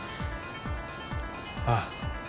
ああ。